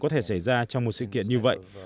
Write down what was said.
có thể xảy ra trong một sự kiện như vậy